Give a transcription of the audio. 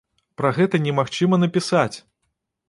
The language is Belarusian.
Пра гэта немагчыма напісаць!